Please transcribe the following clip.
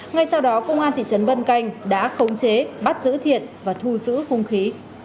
ngay sau đó công an thị trấn vân canh đã khống chế bắt giữ thiện và thu giữ hung khí